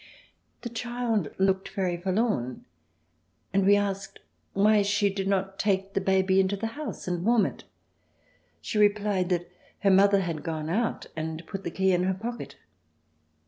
The child looked very forlorn, and we asked why she did not take the baby into the house and warm it. She replied that her mother had gone out and put the key in her pocket.